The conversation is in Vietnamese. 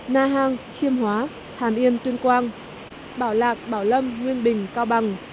na hàng chiêm hóa hàm yên tuyên quang bảo lạc bảo lâm nguyên bình cao bằng